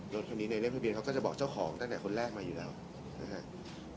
รถคันนี้ในเลขทะเบียนเขาก็จะบอกเจ้าของตั้งแต่คนแรกมาอยู่แล้วนะครับ